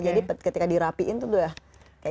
jadi ketika dirapiin tuh udah kayak gitu